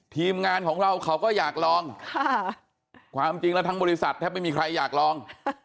ทีมงานของเราเขาก็อยากลองความจริงแล้วทั้งบริษัทแทบไม่มีใครอยากลอง